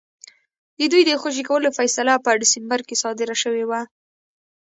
د دوی د خوشي کولو فیصله په ډسمبر کې صادره شوې وه.